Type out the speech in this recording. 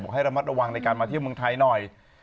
ให้ระมัดระวังในการมาเที่ยวเมืองไทยหน่อย